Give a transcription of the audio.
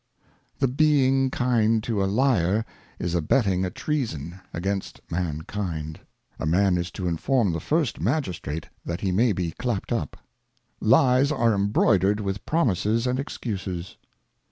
THE being kind to a Lyar, is abetting a Treason against Lying. Mankind. A Man is to inform the first Magistrate, that he may be clap'd up. Lies are embi'oidered with Promises and Excuses.